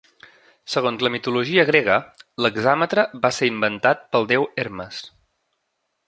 Segons la mitologia grega, l'hexàmetre va ser inventat pel Déu Hermes.